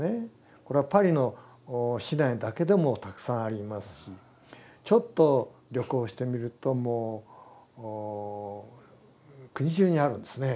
これはパリの市内だけでもたくさんありますしちょっと旅行してみるともう国中にあるんですね。